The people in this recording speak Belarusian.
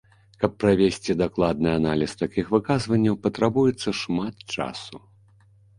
Каб правесці дакладны аналіз такіх выказванняў, патрабуецца шмат часу.